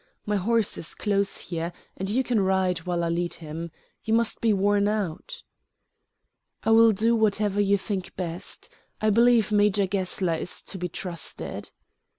"My horse is close here, and you can ride while I lead him. You must be worn out." "I will do whatever you think best. I believe Major Gessler is to be trusted."